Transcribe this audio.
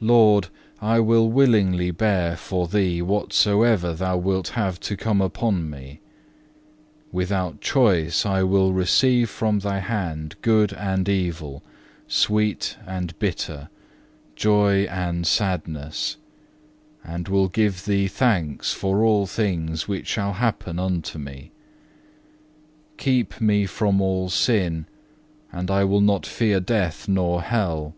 4. Lord, I will willingly bear for Thee whatsoever Thou wilt have to come upon me. Without choice I will receive from Thy hand good and evil, sweet and bitter, joy and sadness, and will give Thee thanks for all things which shall happen unto me. Keep me from all sin, and I will not fear death nor hell.